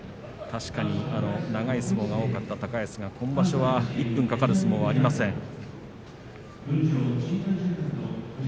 確かに長い相撲が多かった高安が今場所は１分かかる相撲がありません。